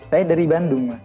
saya dari bandung mas